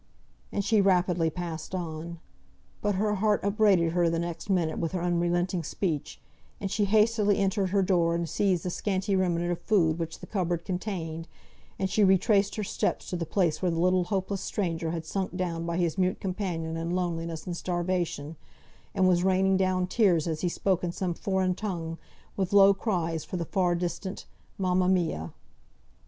And she rapidly passed on. But her heart upbraided her the next minute with her unrelenting speech, and she hastily entered her door and seized the scanty remnant of food which the cupboard contained, and retraced her steps to the place where the little hopeless stranger had sunk down by his mute companion in loneliness and starvation, and was raining down tears as he spoke in some foreign tongue, with low cries for the far distant "Mamma mia!"